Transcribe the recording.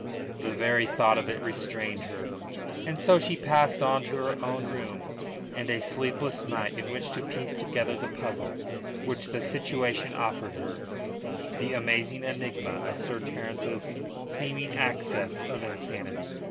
The very thought of it restrained her, and so she passed on to her own room and a sleepless night in which to piece together the puzzle which the situation offered her, the amazing enigma of Sir Terence's seeming access of insanity.